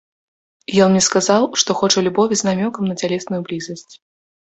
Ён мне сказаў, што хоча любові з намёкам на цялесную блізасць.